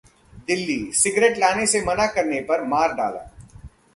Delhi: cigarette लाने से मना करने पर मार डाला